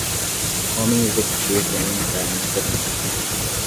Homem executivo em um terno esperando.